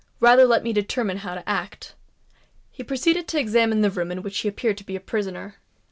"Rather let me determine how to act." He proceeded to examine the room in which he appeared to be a prisoner.